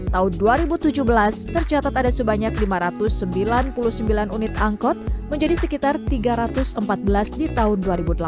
tahun dua ribu tujuh belas tercatat ada sebanyak lima ratus sembilan puluh sembilan unit angkot menjadi sekitar tiga ratus empat belas di tahun dua ribu delapan belas